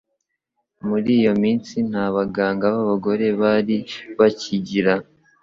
Muri iyo minsi nta baganga b'abagore bari bakigira